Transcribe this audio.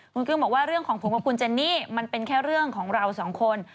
คุณกึ้งบอกว่าเรื่องของผมกับคุณเจนนี่มันเป็นแค่เรื่องของเราสองคน